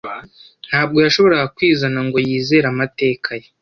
Ntabwo yashoboraga kwizana ngo yizere amateka ye.